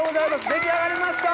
出来上がりました！